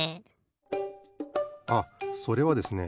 あそれはですね